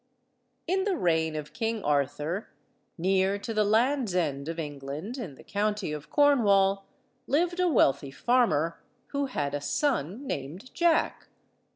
] In the reign of King Arthur, near to the Land's End of England, in the County of Cornwall, lived a wealthy farmer, who had a son named Jack.